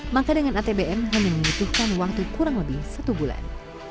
maka dengan atbm hanya membutuhkan waktu kurang lebih satu bulan